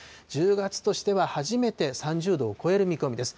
１０月としては初めて３０度を超える見込みです。